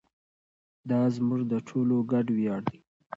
دا زموږ د ټولو ګډ ویاړ دی.